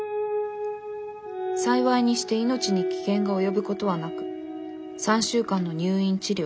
幸いにして命に危険が及ぶことはなく３週間の入院治療。